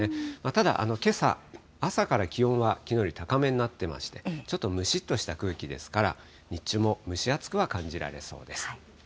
ただ、けさ、朝から気温はきのうより高めになってまして、ちょっとむしっとした空気ですから、日中も蒸し暑くは感じられそうです。